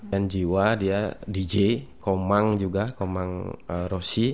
dan jiwa dia dj komang juga komang rosi